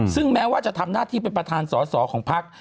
ซึ่งแม้ว่าจะทำหน้าที่เป็นประธานสอสอของพัก